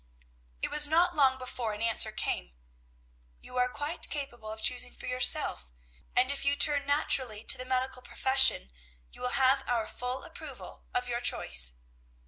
It was not long before an answer came: "You are quite capable of choosing for yourself; and if you turn naturally to the medical profession, you will have our full approval of your choice."